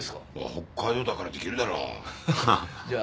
北海道だからできるだろうじゃあ